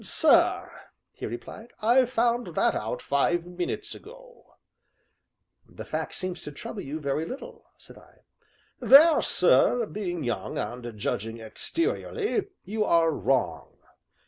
"Sir," he replied, "I found that out five minutes ago." "The fact seems to trouble you very little," said I. "There, sir, being young, and judging exteriorly, you are wrong.